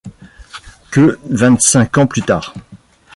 que vingt-cinq ans plus tard.